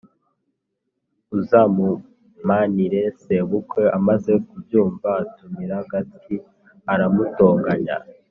uzamumpanire!" Sebukwe amaze kubyumva, atumira Gatsi aramutonganya.